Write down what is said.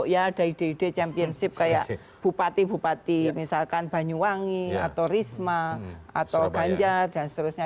ya ada ide ide championship kayak bupati bupati misalkan banyuwangi atau risma atau ganjar dan seterusnya